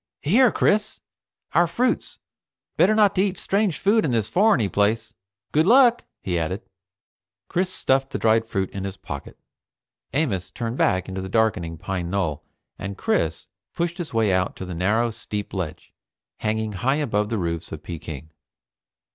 "Here, Chris. Our fruits. Better not to eat strange food in this foreigny place. Good luck," he added. Chris stuffed the dried fruit in his pocket. Amos turned back into the darkening pine knoll, and Chris pushed his way out to the narrow steep ledge, hanging high above the roofs of Peking.